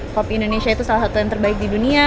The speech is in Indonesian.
kopi indonesia itu salah satu yang terbaik di dunia